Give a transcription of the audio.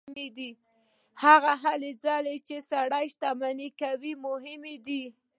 هغه هلې ځلې چې سړی شتمن کوي مهمې دي.